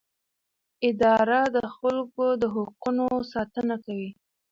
اداره د خلکو د حقونو ساتنه کوي.